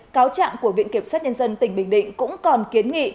cáo trạng của viện kiểm sát nhân dân tỉnh bình định cũng còn kiến nghị